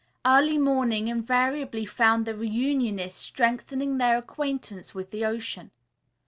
Early morning invariably found the reunionists strengthening their acquaintance with the ocean.